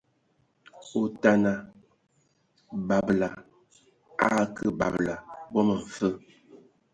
Otana, babela a a akǝ babǝla vom mfǝ.